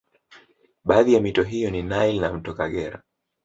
Baadhi ya mito hiyo ni Nile na mto Kagera